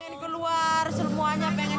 pengen keluar semuanya pengen